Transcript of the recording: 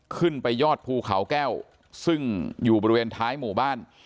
ยอดภูเขาแก้วซึ่งอยู่บริเวณท้ายหมู่บ้าน